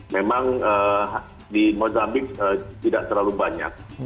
memang di mozambiks tidak terlalu banyak